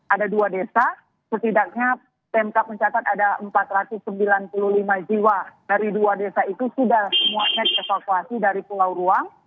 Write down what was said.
ada dua desa setidaknya pemkap mencatat ada empat ratus sembilan puluh lima jiwa dari dua desa itu sudah semuanya evakuasi dari pulau ruang